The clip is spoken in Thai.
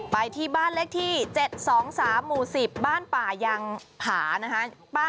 ไปที่บ้านเลขที่๗๒๓หมู่๑๐บ้านป่ายังผานะคะ